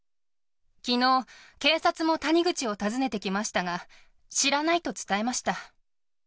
きのう、警察も谷口を訪ねてきましたが、知らないと伝えました。